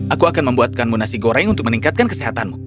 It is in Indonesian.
aku akan membuatkanmu nasi goreng untuk meningkatkan kesehatanmu